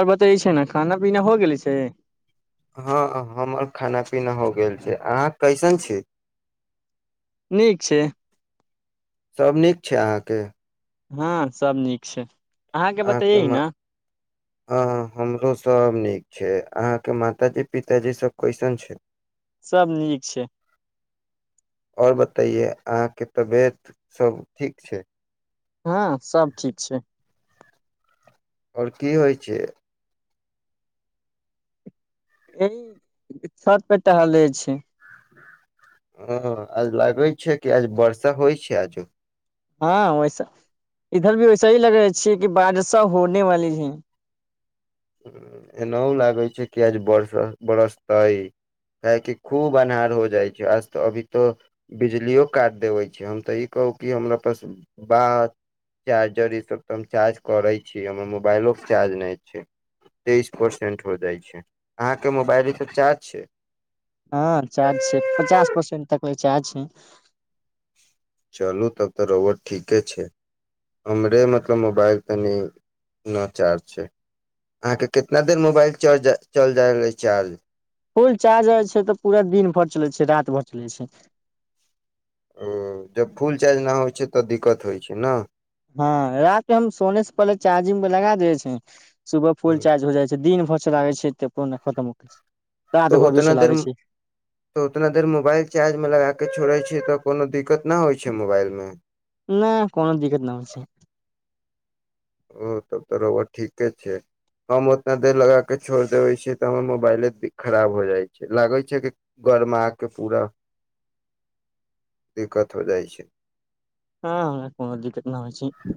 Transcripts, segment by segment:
आओर बतैईये छै न खाना पीना हो गेल छै। हँ हमर खाना पीना हो गेल छै, अहाँ कैसन छै। नीक छै। सभ नीक छै अहाँके। हँ, सब नीक छै। अहाँके बतैयई न। हँ हमरो सब नीक छै, अहाँके मातााजी-पिताजी सब कईसन छै। सभ नीक छै। आओर बतइयए, अहाँके तबियत सभ ठीक छै। हँ, सभ ठीक छै। आओर की होइ छै। ई, छत पे टहलेई छै। हँ, आज लागे छै कि आज वर्षा होइ छै आझू। हँ, वैसा इधर भी वैसा ही लग रह छियै कि बारिश होने वाली है। एनाहो लागै छै कि आज बरस बरसतै काहेकि खूब अन्हार हो जाइ छै, आज तऽ अभी तऽ बिजलिओ काटि देबै छै, हम तऽ ई कहू कि हमरा पास ब चार्जर ईसभ तऽ हम चार्ज करै छी हमर मोबाइलो के चार्ज नहि छै। तेइस परसेंट हो जाइ छै, अहाँके मोबाइल ईसब चार्ज छै। हँ, चार्ज छै, पचास परसेंट तक ल चार्ज छै। चलू तब तऽ रोउवा ठीके छै, हमरे मतलब मोबाइल तनि न चार्ज छै, अहाँके कितना देर मोबाइल चल जा चल जाय रहलै चार्ज। फूल चार्जइ छै तऽ पूरा दिन भरि चलै छै, रात भर चलै छै। ह्म्म, जब फुल चार्ज नहि होइ छै तऽ दिक्कत होइत छै न। हँ रात के हम सोने से पहिले चार्जिंग पर लगा दे छै सुबह फूल चार्ज हो जाइ छै दिन भर लागै छै पू खतम होैके छै। रात तो भर भी उतना देर, चलाबै छै त उतना देर मोबाइल चार्ज मे लगा के छोड़े छै। तऽ कोनो दिक्कत न होइ छै मोबाइल मे नहि कोनो दिक्कत नहि हो छै। ओ तब तऽ रउवा ठीके छै, हम उतना देर लगा कऽ छोड़ देबै छियै तऽ हमर मोबाइले खराब हो जाइ छै लागै छै कि गर्मा के पूरा दिक्कत हो जाइ छै। हँ, कोनो दिक्कत नहि होइ छै।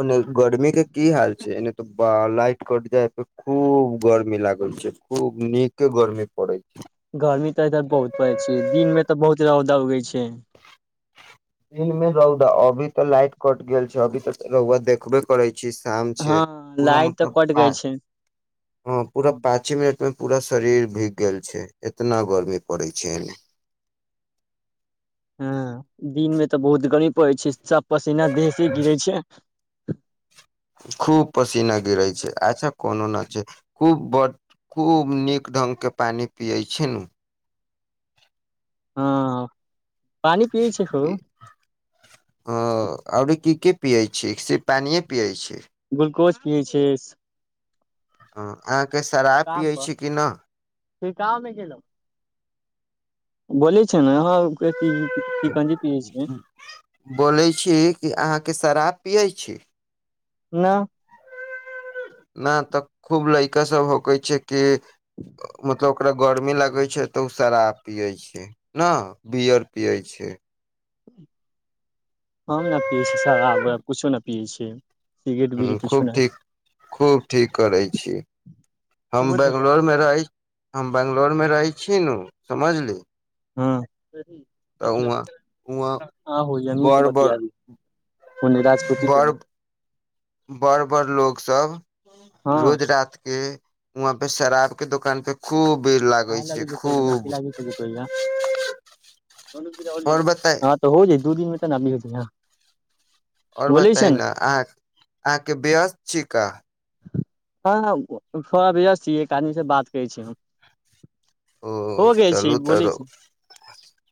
ओने गर्मी के की हाल छै, एने ते लाइट कट जाय पे खूब गर्मी लागल छै खूब नीके गर्मी पड़े छै। गर्मी इ इधर बहुत पैडे छी दिन मे तऽ बहुत तवी छै। दिन में रउरा अभी तऽ लाइट कट गेल छै, अभी तऽ रौआ देखबे करै छै। शाम छै, हँ पूरा लाइट तऽ कट गै छै मतलब पूरा पाँचे मिनट मे पूरा शरीर भी गेल छै, इतना गर्मी पड़ै छै एने। हँ, दिन मे तऽ बहुत गमी पड़ैत छै पसीना देह से गिरे छै। खूब पसीना गिरै छै, अच्छा कोनो नहि छै, खूब ब खूब नीक ढङ्गके पानि पियै छै न। हँ पानी पियै छै खूब ह, आओर कि के पिये छी, सिर्फ पानिे पिये छी। ग्लूकोज पिया छै। ह, अहाँके शराब काम पियै पर छी कि नहि। छिड़काव बोली छै न बोलै छी कि अहाँके शराब पियै छै। ना। न तऽ खूब लईका सब होकै छै के मतलब ओरा गर्मी लगे छै तऽ ओ शराब पियै छै, न बियर पियै छै। हम नहि पियै छियै शराब औरब कछो नहि पियै छै। खूब ठीक खूब ठीक करै छी, हम सुबोध भैया बेंगलौर मे रही हम बंगलोर मे रहै छी न समझली हु तऽ उहा ऊहा आहो जमीन से बर बर बतियाबी ओने राजपूती बड़, टोला बड़-बड़ लोक सब हँ रोज रात के ऊहाँ पे शराब के दुकान पे खूब भीड़ लागे छै खूब [unintelligible] और बताई [unintelligible] आओर बोलै छै बताइ ने न अहाँ अहाँके वस्त छी का हँ थोड़ा व्यस्त छियै एक आदमीसँ बात करै छी हम ओ हो गेल छै चलू तऽ बोलै छै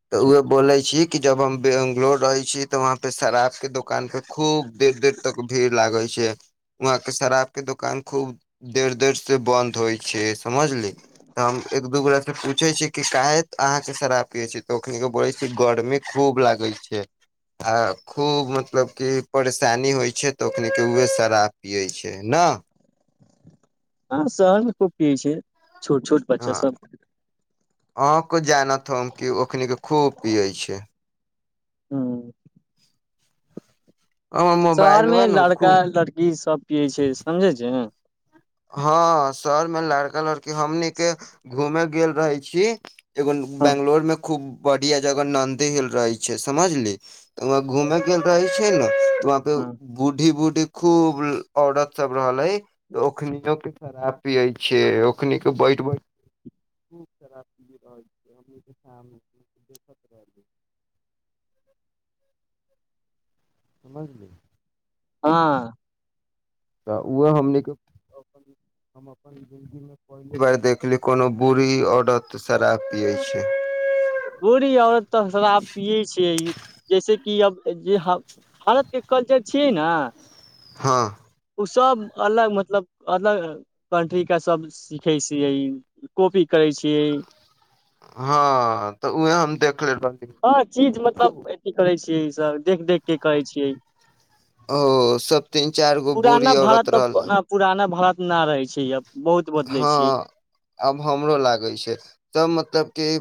तऽ उहे बोलै छी की जब हम बेंगलोर रहै छी त उहाँ शराब के दुकान पे खूब देर देर तक भीड़ लागै छै उहां के शराब के दुकान खूब देर देर से बंद होइ छै समझली तऽ हम एक- ओकरासँ पूछै छियै कि काहे अहाँके शराब पियै छी तऽ ओखनिके बोलै छी गरमी खूब लागै छै आ खूब मतलब की परेशानी होइ छै तऽ ओखनिके उएह शराब पियै छै न हँ शहरमे खूब पीयै छै छोट छोट बच्चा सब अहाँ को जानत हम की ओखनी के खूब पीयै छै हूँ हमर शहर मे मोबाइलबा ने लड़का खूब लड़की सब पीयै छै समझे छै हँ शहर मे लड़का लड़की के हमनी के घूमे गेल रहै छी एगो हँ बैंगलोरमे खूब बढ़ियाँ जगह नन्दी हिल रहै छै समझली तऽ वहाँ घूमे गेल रहै छै न वहाँ पे हँ बूढ़ी बूढ़ी खूब औरत सब रहलै [unintelligible] समझली हँ तऽ ओहो हमनीके हम अपन जिन्दगीमे पहली बार देखली कोनो बुढ़ी औरत शराब पियै छै बुढ़ी औरत तऽ शराब पियै छियै जैसेेक कि अब जे भारतके कल्चर छियै ने हँ ओसभ अलग मतलब अलग कन्ट्रीके सभ सीखै छियै कॉपी करै छियै हँ तऽ उहै हम देख हँ चीज मतलब अथी करै छियै जे सब देख देख के कहै छियै ओ सब तीन चारि गो बूढ़ी पुराना औरत भारत रहल तऽ ओना पुराना भारत न रहै छै अब बहुत बदलै छियै हँ आब हमरो लागै छै तब मतलब के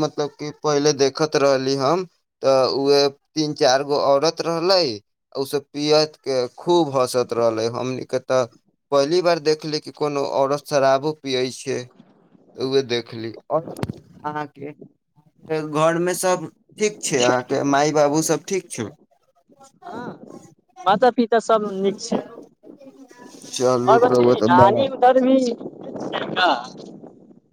मतलब क पहले देखैत रहली हम तऽ उह तीन चार गो औरत रहले पियैत के खूब हँसत रहले हमने तऽ पहली बार देखली कि कोनो औरत शराबो पियै छियै तऽ उहे देखली आओर अहाँके घरमे सब ठीक छै अहाँके माय बाबू सब ठीक छौ हँ माता पिता सब नीक छै आओर बतैयै न आनी उधर भी [unintelligible] [unintelligible]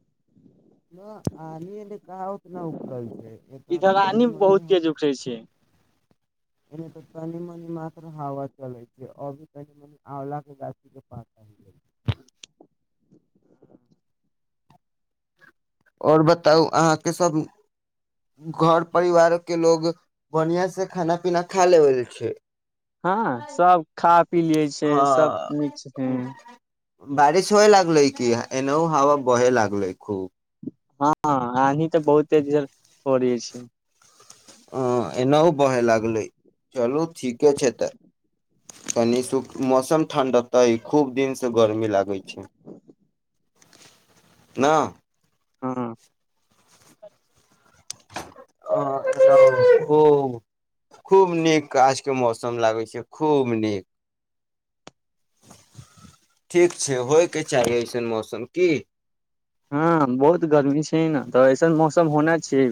न आनी एनै कहाँ ओतना उखरल छै एतना तऽ तनी मनी एने [unintelligible] [unintelligible] आओर बताउ अहाँके सभ घर परिवार के लोग बढ़िया से खाना पीना खा लेबल छै हँ सब खा पी ली छै सब नीक छथिन हँ बारिश होए लागलै कि एनहु हवा बहय लागलै खूब हँ आधी तऽ बहुते इधर हो रहल छै हँ एनाहो बहैय लागलै चलू ठीके छै तऽ कनि सुख मौसम ठणड हेतै खूब दिन से गर्मी लागै छै न हँ आ ओ खूब नीक आजके मौसम लागै छै खूब नीक ठीक छै होयके चाही एसैन मौसम की हँ बहुत गर्मी छै न तऽ ऐसन मौसम होना छै से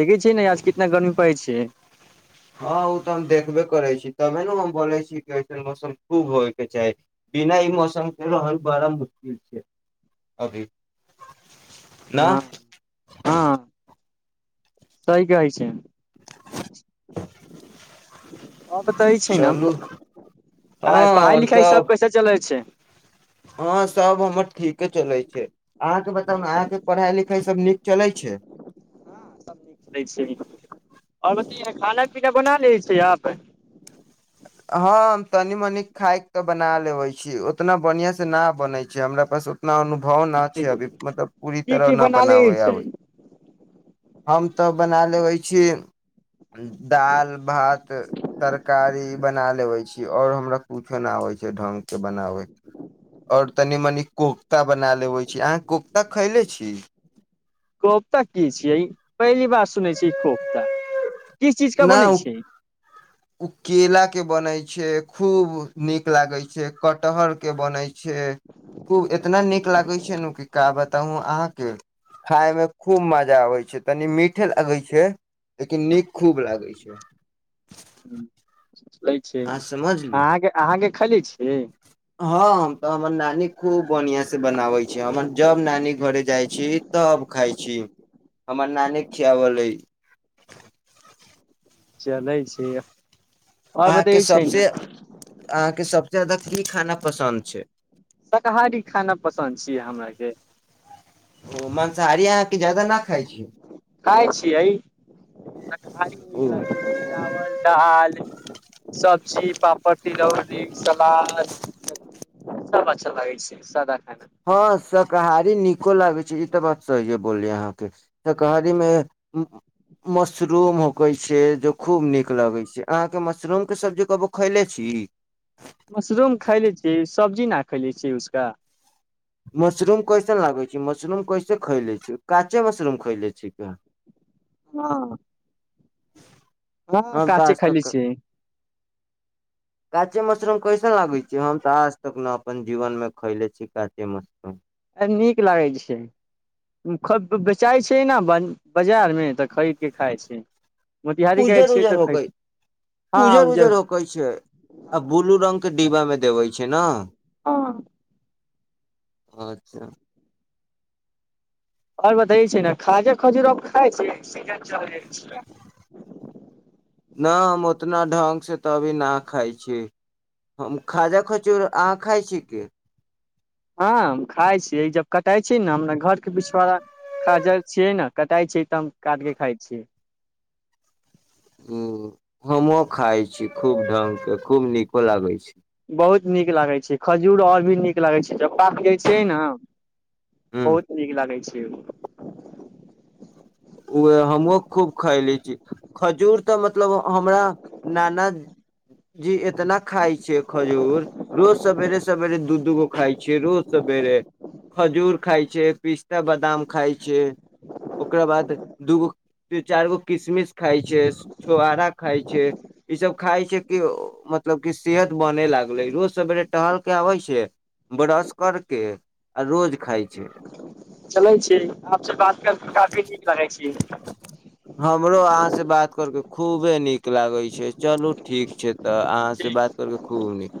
देखै छियै ने आज कितना गर्मी पड़ै छै हँ ओ तऽ हम देखबै करै छी तबे ने हम बोलै छी कि ऐसन मौसम खूब होयके चाही बिना ई मौसमके रहल बड़ा मुश्किल छै अभी न हँ हँ सही कहै छै आओर बताबै छी न चलू हँ आइ पढ़ाई आओर लिखाई सब कैसे चलै छै हँ सभ हमर ठीके चलै छै अहाँके बताउ ने अहाँके पढ़ाइ लिखाइ सभ नीक चलै छै चलै छै आओर बतैयौ न खाना पीना बना लै छै आप हँ हम तनी मनी खाइ के बना लेबै छियै उतना बढ़ियाँ से न बनै छै हमरा पास उतना अनु, - भव न छै अभी की मतलब पूरी तरह की न बना लै बनाबै छै आबै हम तऽ बना लेबै छी दालि भात तरकारी बना लेबै छी आओर हमरा कुछो न आबे छै ढंग के बनाबै आओर तनि मनी कोख्ता बना लेबै छी अहाँ कोख्ता खैले छी कोफता की छियै पहली बार सुनै छियै ई कोपता न ओ ओ केला के बनै छै खूब नीक लागे छै कटहर के बनै छै खूब एतना नीक लागे [unintelligible] खूब लागै छै लागै छै अहाँ समझली अहाँके अहाँके खयले छी हँ हम तऽ हमर नानी खूब बढ़िआं से बनाबै छै हमर जब नानी घरे जाइ छी तऽ खाय छी हमर नानी खियावल चलै छै आओर बतै अहाँके छै ने सबसे अहाँके सब ज्यादा की खाना पसन्द छै शकाहारी खाना पसन्द छियै हमराके ओ मांसहारी अहाँ खाइ छियै शाकाहारी नीक ओ लगै छै चावल दालि सब्जी पापड़ तिलौरी सलाद सब अच्छा लागै छै सादा खाना हँ से कहाय नीको लागै छै ई तऽ बात सहिये बोल अहाँ ती मशरूम होकै छै जे खूब नीक लगै छै अहाँके मशरूमके सब्जी कहबौ खैले छी मशरूम खैले छियै सब्जी न खैले छियै उसका मशरूम कैसन लागै छै मशरूम कैसे खैले छी काँचे मशरूम खैले छी प हँ ह ह काँचे खयले छियै कांचे मशरूम कैसन लागे छै हम तऽ आज तक ने अपन जीवन मे खैले छी काँचे मशरूम नीक लागै छै बेचाइ छै ने ब बाजारमे तऽ खरीद कऽ खाइ छै मोतिहारी उजर गैल छियै उजर तऽ खरीद होकै उजर उजर होकै छै आ ब्लू रंग के डिब्बा मे देबै छै ना हँ अच्छा आओर बतै छै ने खाजा खजुर खाय छै छै न हम उतना ढंगसँ तऽ अभी नहि खाइ छी हम खाजा खजूर अहाँ खाइ छी की हँ हम खाइ छियै जब कटाइ छै ने हमरा घरके पिछोड़ा खाजल छियै ने कटाइ छियै तऽ हम काट के खाइ छियै ह हमो खाय छी खूब ढंग के खूब नीको लागै छै बहुत नीक लागै छै खजूर आओर भी नीक लागै छै जब पाक गिरे छियै ह बहुत नीक लागै छै जो ओ हमहूँ खूब खयले छी खजूर तऽ मतलब हमरा नानाजी एतना खाइ छै खजूर रोज सवेरे सवेरे दू दूगो खाइ छै रोज सवेरे खजूर खाइ छै पिस्ता बादाम खाइ छै ओकरा बाद दूगो ती चारि गो किशमिश खाइ छै छोहारा खाइ छै इसभ खाइ छै की मतलब कि सेहत बनै लागलै रोज सवेरे टहल कऽ आबै छै ब्रश कर कऽ आ रोज खाइ छै चलै छी आपसे बात कर के काफी नीक लगै छी [inaudible] हमरो अहाँसे बात करके खूबे नीक लागै छै चलू ठीक छै तऽ ठीक अहाँसे बात करके खूब नीक